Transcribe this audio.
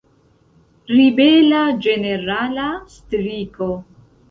Ribela ĝenerala striko.